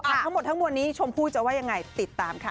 ทั้งหมดทั้งมวลนี้ชมพู่จะว่ายังไงติดตามค่ะ